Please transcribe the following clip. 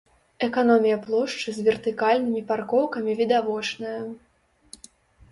Эканомія плошчы з вертыкальнымі паркоўкамі відавочная.